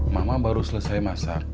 mama baru selesai masak